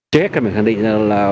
jack khẳng định là